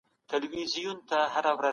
که حضوري ګډون موجود وي ګډ بحث رامنځته کيږي.